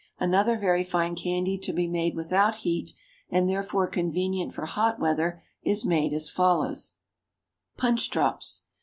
Another very fine candy to be made without heat, and therefore convenient for hot weather, is made as follows: PUNCH DROPS.